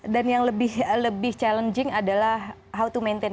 dan yang lebih challenging adalah how to maintain